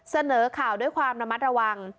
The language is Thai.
เสนอข่าวด้วยความระมัดระวัง